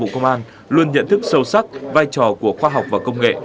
công an luôn nhận thức sâu sắc vai trò của khoa học và công nghệ